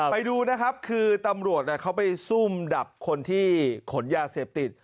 ไปดูนะครับคือตำรวจเขาไปซุ่มดับคนที่ขนยาเสพติด